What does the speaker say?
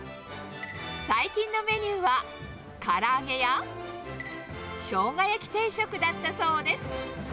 最近のメニューは、から揚げやしょうが焼き定食だったそうです。